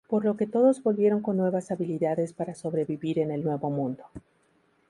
Por lo que todos volvieron con nuevas habilidades para sobrevivir en el Nuevo Mundo.